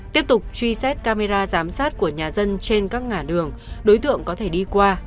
tiếp tục truy xét camera giám sát của nhà dân trên các ngã đường đối tượng có thể đi qua